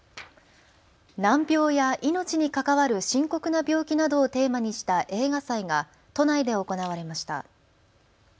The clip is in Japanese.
難病や命に関わる深刻な病気などをテーマにした映画祭が都内で行われました。